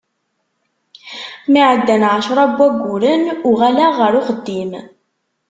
Mi ɛeddan ɛecra n wayyuren, uɣaleɣ ɣer uxeddim.